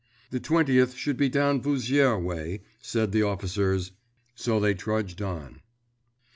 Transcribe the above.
The Twentieth should be down Vouziers way, said the officers. So they trudged on.